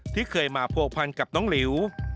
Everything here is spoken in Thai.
ที่เคยมาผัวพันกับน้องหลิว